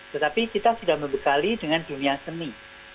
tetapi kita sudah membekali dengan dunia seni